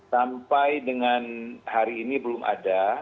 sampai dengan hari ini belum ada